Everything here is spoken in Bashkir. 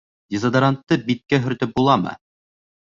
Дезодорантты биткә һөртөп буламы?